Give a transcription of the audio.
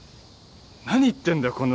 何言ってんだよ？